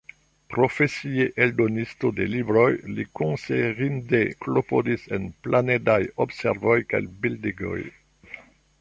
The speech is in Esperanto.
Profesie eldonisto de libroj, li konsiderinde klopodis en planedaj observoj kaj bildigoj.